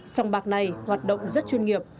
sông bạc này hoạt động rất chuyên nghiệp